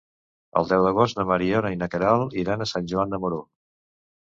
El deu d'agost na Mariona i na Queralt iran a Sant Joan de Moró.